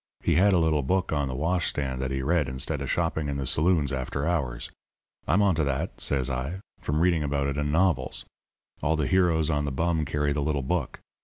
He had a little book on the washstand that he read instead of shopping in the saloons after hours. 'I'm on to that,' says I, 'from reading about it in novels. All the heroes on the bum carry the little book.